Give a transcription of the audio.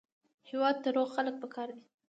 هېواد ته روغ خلک پکار دي